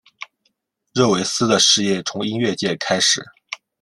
热维斯的事业从音乐界开始。